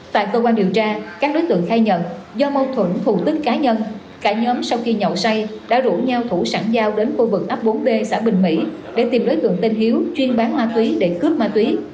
tại cơ quan điều tra các đối tượng khai nhận do mâu thuẫn thủ tức cá nhân cả nhóm sau khi nhậu say đã rủ nhau thủ sẵn giao đến khu vực ấp bốn d xã bình mỹ để tìm đối tượng tên hiếu chuyên bán ma túy để cướp ma túy